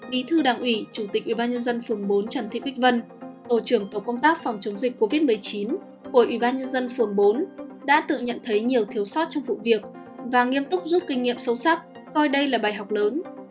bí thư đảng ủy chủ tịch ubnd phường bốn trần thị bích vân tổ trưởng tổ công tác phòng chống dịch covid một mươi chín của ủy ban nhân dân phường bốn đã tự nhận thấy nhiều thiếu sót trong vụ việc và nghiêm túc rút kinh nghiệm sâu sắc coi đây là bài học lớn